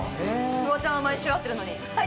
フワちゃんは毎週会ってるのに。